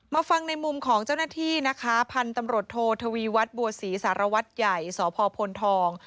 มาฟังในมุมของเจ้าหน้าที่นะคะพันธุ์ตำรวจโททวีวัฒน์บัวศรีสารวัตรใหญ่สพพลทอง